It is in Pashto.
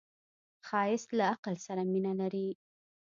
ښایست له عقل سره مینه لري